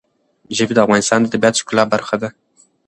ژبې د افغانستان د طبیعت د ښکلا برخه ده.